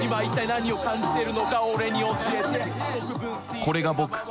これが僕。